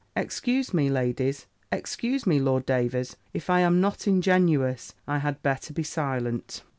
Excuse me, ladies; excuse me, Lord Davers; if I am not ingenuous, I had better be silent."